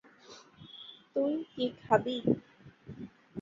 তুই কি খাবি?